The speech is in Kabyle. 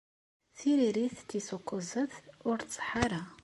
Tiririt tis ukuẓẓet ur tseḥḥa ara.